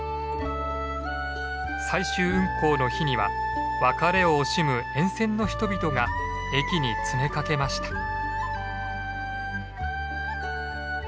最終運行の日には別れを惜しむ沿線の人々が駅に詰めかけました。